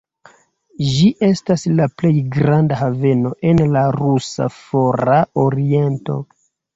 Ĝi estas la plej granda haveno en la rusa Fora Oriento.